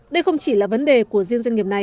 đây không chỉ là vấn đề của riêng doanh nghiệp này